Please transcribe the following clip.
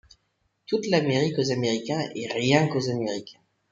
Toute l’Amérique aux Américains, et rien qu’aux Américains!